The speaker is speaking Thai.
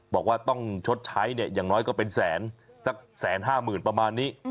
บอกว่าต้องชดใช้อย่างน้อยก็เป็นแสนสักแสนห้าหมื่นประมาณนี้